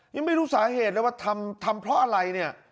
ยังไม่รู้สาเหตุแล้วว่าทำเพราะอะไร